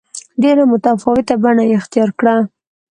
ډېره متفاوته بڼه یې اختیار کړه.